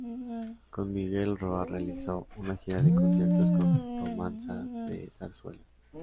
Con Miguel Roa realizó una gira de conciertos con romanzas de zarzuela.